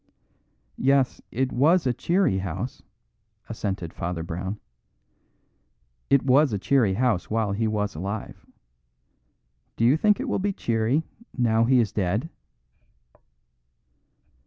"Yes, it was a cheery house," assented Father Brown. "It was a cheery house while he was alive. Do you think it will be cheery now he is dead?"